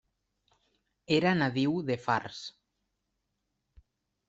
Era nadiu de Fars.